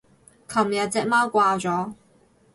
琴日隻貓掛咗